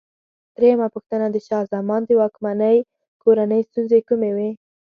درېمه پوښتنه: د شاه زمان د واکمنۍ کورنۍ ستونزې کومې وې؟